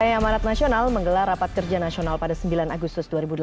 partai amanat nasional menggelar rapat kerja nasional pada sembilan agustus dua ribu delapan belas